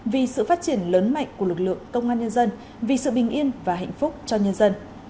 vì sự phát triển lớn mạnh của lực lượng công an nhân dân vì sự bình yên và hạnh phúc cho nhân dân